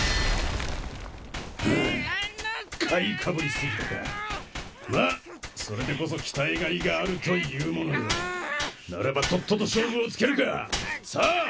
うん買いかぶりすぎたかまあそれでこそ鍛え甲斐があるというものよならばとっとと勝負をつけるかさあ